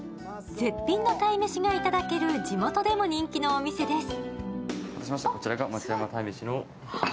絶品の鯛めしがいただける地元でも人気のお店です。